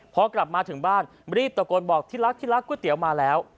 พอกลับมาถึงบ้านรีบตะโกนบอกที่รักที่รักก๋วยเตี๋ยวมาแล้ว